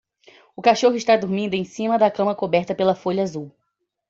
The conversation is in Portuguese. O cachorro está dormindo em cima da cama coberta pela folha azul.